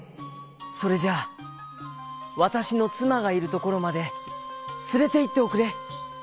「それじゃあわたしのつまがいるところまでつれていっておくれ」。